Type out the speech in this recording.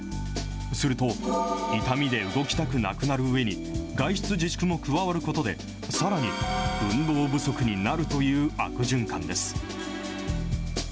すると、痛みで動きたくなくなるうえに外出自粛も加わることで、さらに運動不足になるという悪循環です。